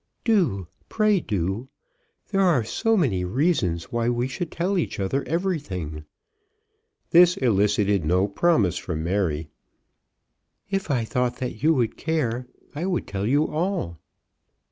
"Do; pray do. There are so many reasons why we should tell each other everything." This elicited no promise from Mary. "If I thought that you would care, I would tell you all."